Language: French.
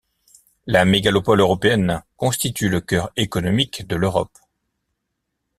La mégalopole européenne constitue le cœur économique de l'Europe.